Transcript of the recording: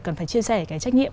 cần phải chia sẻ cái trách nhiệm